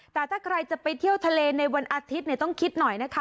แต่ถ้าใครจะไปเที่ยวทะเลในวันอาทิตย์เนี่ยต้องคิดหน่อยนะคะ